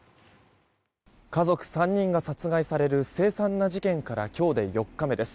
家族３人が殺害される凄惨な事件から今日で４日目です。